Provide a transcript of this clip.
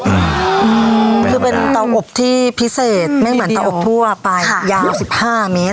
อืมคือเป็นเตาอบที่พิเศษไม่เหมือนเตาอบทั่วไปยาวสิบห้าเมตร